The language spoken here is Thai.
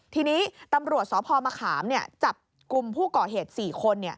ทีนี้ตำรวจสพมะขามจับกลุ่มผู้ก่อเหตุ๔คน